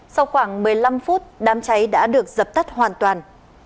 sau khoảng một mươi năm phút đám cháy đã được dập tắt hoàn toàn